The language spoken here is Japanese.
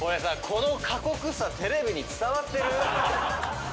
この過酷さテレビに伝わってる？